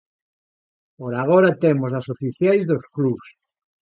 Por agora temos as oficiais dos clubs.